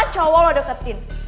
semua cowok lo deketin